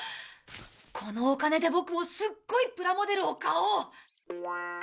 このお金でボクもすっごいプラモデルを買おう！